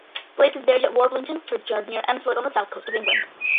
Blake is buried at Warblington churchyard, near Emsworth on the south coast of England.